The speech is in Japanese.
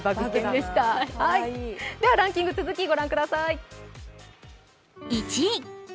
ではランキング、続きご覧ください